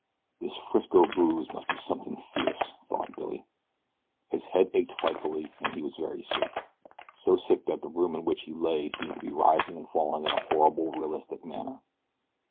"This Frisco booze must be something fierce," thought Billy. His head ached frightfully and he was very sick. So sick that the room in which he lay seemed to be rising and falling in a horribly realistic manner.